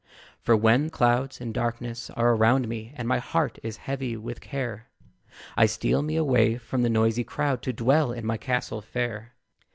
For when clouds and darkness are round me, And my heart is heavy with care, I steal me away from the noisy crowd, To dwell in my castle fair.